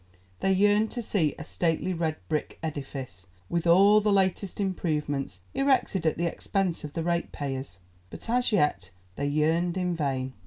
They yearned to see a stately red brick edifice, with all the latest improvements, erected at the expense of the rate payers, but as yet they yearned in vain.